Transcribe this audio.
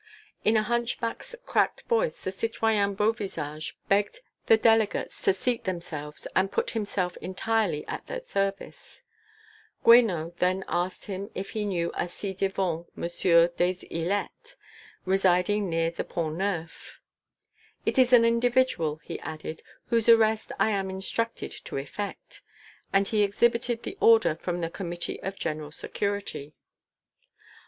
In a hunchback's cracked voice the citoyen Beauvisage begged the delegates to seat themselves and put himself entirely at their service. Guénot then asked him if he knew a ci devant Monsieur des Ilettes, residing near the Pont Neuf. "It is an individual," he added, "whose arrest I am instructed to effect," and he exhibited the order from the Committee of General Security.